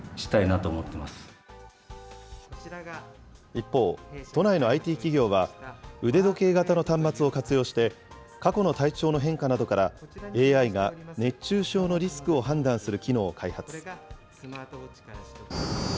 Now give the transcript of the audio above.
一方、都内のＩＴ企業は、腕時計型の端末を活用して、過去の体調の変化などから、ＡＩが熱中症のリスクを判断する機能を開発。